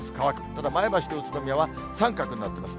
ただ、前橋と宇都宮は三角になっています。